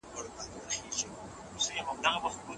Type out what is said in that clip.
خو لیدونکي سترګې غواړي.